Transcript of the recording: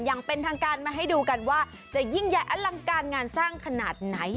อย่างเป็นทางการมาให้ดูกันว่าจะยิ่งใหญ่อลังการงานสร้างขนาดไหน